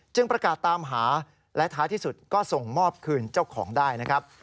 ประกาศตามหาและท้ายที่สุดก็ส่งมอบคืนเจ้าของได้นะครับ